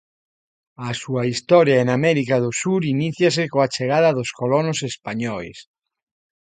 A súa historia en América do Sur iníciase coa chegada dos colonos españois.